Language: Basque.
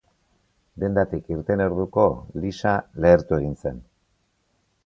Dendatik irten orduko, Lisa lehertu egin zen.